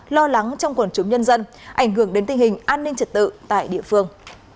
lo lắng trong quần chúng nhân dân ảnh hưởng đến tình hình an ninh trật tự tại địa phương